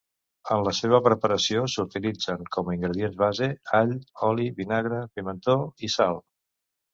En la seva preparació s'utilitzen com a ingredients base: all, oli, vinagre, pimentó i sal.